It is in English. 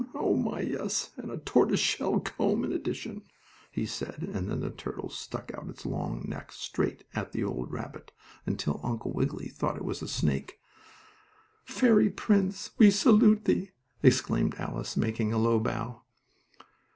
Oh, my, yes! and a tortoiseshell comb in addition," he said; and then the turtle stuck out its long neck, straight at the old rabbit, until Uncle Wiggily thought it was a snake. "Fairy prince, we salute thee!" exclaimed Alice, making a low bow.